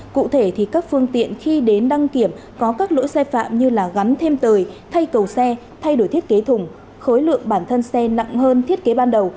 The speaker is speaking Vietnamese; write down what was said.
cụ thể thì các phương tiện khi đến đăng kiểm có các lỗi sai phạm như là gắn thêm tời thay cầu xe thay đổi thiết kế thùng khối lượng bản thân xe nặng hơn thiết kế ban đầu